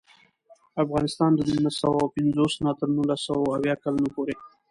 افغانستان له نولس سوه پنځوس نه تر نولس سوه اویا کلونو پورې.